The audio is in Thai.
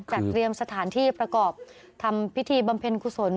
จัดเตรียมสถานที่ประกอบทำพิธีบำเพ็ญกุศล